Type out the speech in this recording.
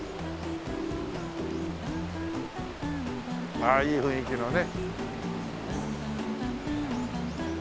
ああいい雰囲気のね。